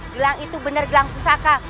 gelang itu benar gelang pusaka